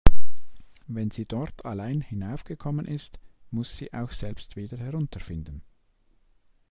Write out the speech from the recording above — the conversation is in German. Wenn sie dort allein hinauf gekommen ist, muss sie auch selbst wieder herunter finden.